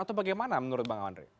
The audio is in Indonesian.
atau bagaimana menurut bang andre